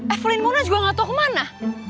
evelyn mona juga nggak tau kemana